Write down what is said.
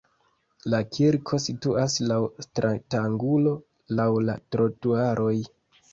La kirko situas laŭ stratangulo laŭ la trotuaroj.